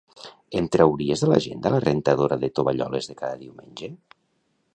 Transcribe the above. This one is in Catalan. Em trauries de l'agenda la rentadora de tovalloles de cada diumenge?